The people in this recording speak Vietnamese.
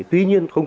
tuy nhiên không